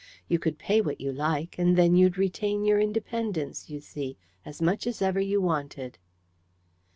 You could pay what you like; and then you'd retain your independence, you see, as much as ever you wanted."